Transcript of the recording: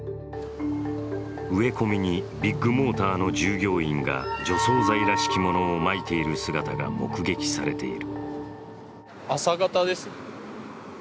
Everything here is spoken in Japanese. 植え込みにビッグモーターの従業員が除草剤らしきものをまいている姿が目撃されている。